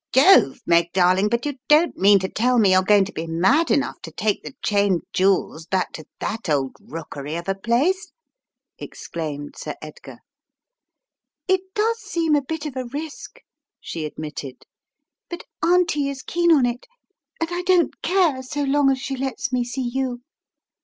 "Jove, Meg darling, but you don't mean to tell me you're going to be mad enough to take the Cheyne 84 The Riddle of the Purple Emperor jewels back to that old rookery of a place?" ex* claimed Sir Edgar. "It does seem a bit of a risk," she admitted, "but Auntie is keen on it and I don't care so long as she lets me see you.